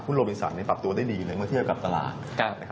โรบินสันปรับตัวได้ดีในเมื่อเทียบกับตลาด